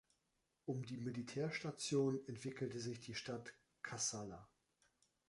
Um die Militärstation entwickelte sich die Stadt Kassala.